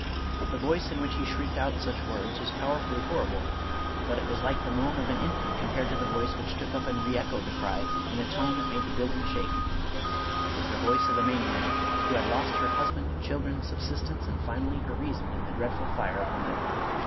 The voice in which he shrieked out such words was powerfully horrible, but it was like the moan of an infant compared to the voice which took up and reechoed the cry, in a tone that made the build ing shake. It was the voice, of a maniac, who had lost her husband, children, subsistence, and finally her reason, in the dreadful fire of London.